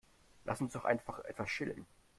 Lass uns doch einfach etwas chillen.